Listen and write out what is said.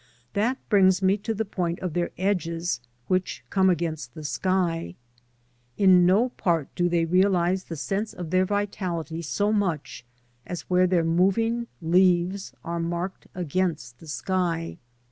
That brings me to the point of their edges which come gainst the sky. In no part do they realise the sense of their vitality so much as where their moving leaves are marked against the sky.